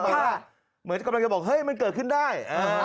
บอกว่าเหมือนกำลังจะบอกเฮ้ยมันเกิดขึ้นได้